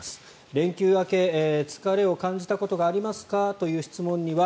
連休明け、疲れを感じたことがありますか？という質問には